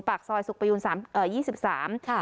ปากซอยสุกประยูนสามเอ่อยี่สิบสามค่ะ